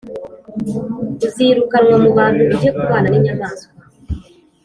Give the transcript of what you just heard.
Uzirukanwa mu bantu ujye kubana ninyamaswa